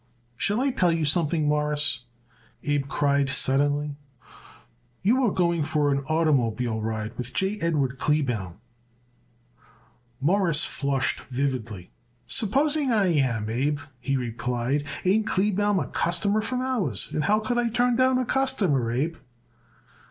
"Shall I tell you something, Mawruss," Abe cried suddenly. "You are going for an oitermobile ride with J. Edward Kleebaum." Morris flushed vividly. "Supposing I am, Abe," he replied. "Ain't Kleebaum a customer from ours? And how could I turn down a customer, Abe?"